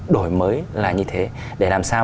đổi mới là như thế để làm sao